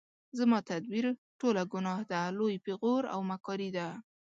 زما تدبیر ټوله ګناه ده لوی پیغور او مکاري ده